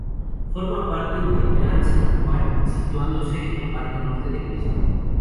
Forma parte del Gran San Juan, situándose en la parte norte del mismo.